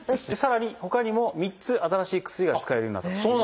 さらにほかにも３つ新しい薬が使えるように。